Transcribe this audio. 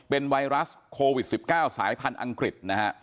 เป็นไวรัสโควิด๑๙สายพันธุ์อังกฤษนะฮะ